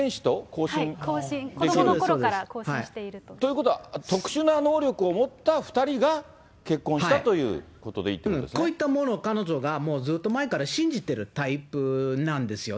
交信、子どものころから交信していると。ということは特殊な能力を持った２人が結婚したということでこういったものを彼女がずっと前から信じてるタイプなんですよ。